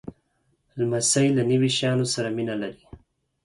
لمسی له نویو شیانو سره مینه لري.